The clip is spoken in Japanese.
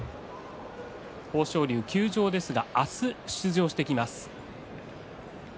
豊昇龍、休場ですが明日出場してきます。